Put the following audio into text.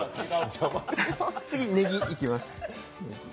次にねぎ、いきます。